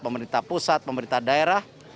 pemerintah pusat pemerintah daerah